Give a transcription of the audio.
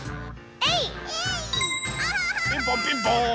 ピンポンピンポーン。